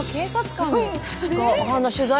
取材。